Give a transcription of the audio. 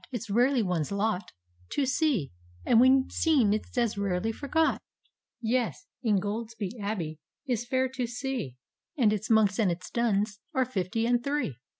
It's rarely one's lot To see, and when seen it's as rarely forgot Yes, Ingoldsby Abbey is fair to sec, And its Monks and its Nuns are fifty and three.